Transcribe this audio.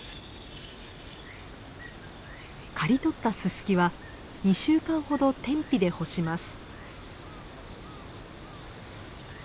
刈り取ったススキは２週間ほど天日で干します。